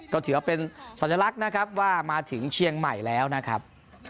ก็ถือว่าเป็นสัญลักษณ์นะครับว่ามาถึงเชียงใหม่แล้วนะครับ